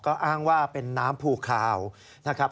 ก็อ้างว่าเป็นน้ำภูคาวนะครับ